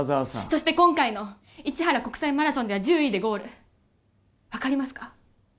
そして今回の市原国際マラソンでは１０位でゴール分かりますか？